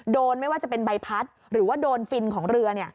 ไม่ว่าจะเป็นใบพัดหรือว่าโดนฟินของเรือ